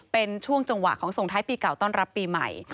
เป็นช่วงจังหวะของส่งท้ายปีเก่าต้อนรับปีใหม่